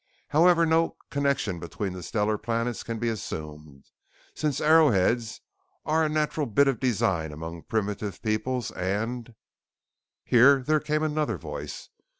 However no connection between the stellar planets can be assumed, since arrowheads are a natural bit of design among primitive peoples and " Here there came another voice!